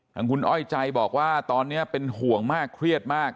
ทางคุณอ้อยใจบอกว่าตอนนี้เป็นห่วงมากเครียดมาก